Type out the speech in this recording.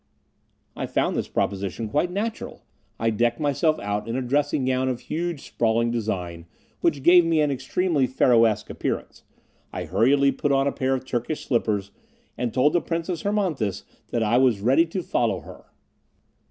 I found this proposition quite natural. I decked myself out in a dressing gown of huge sprawling design, which gave me an extremely Pharaohesque appearance; I hurriedly put on a pair of Turkish slippers, and told the Princess Hermonthis that I was ready to follow her.